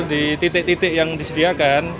di titik titik yang disediakan